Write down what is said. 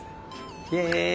「イエイ！」